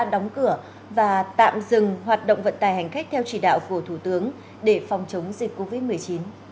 đóng cửa và tạm dừng hoạt động vận tài hành khách theo chỉ đạo của thủ tướng để phòng chống dịch covid một mươi chín